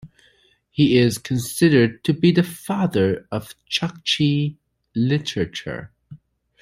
He is considered to be the father of Chukchi literature.